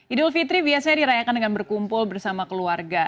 idul fitri biasanya dirayakan dengan berkumpul bersama keluarga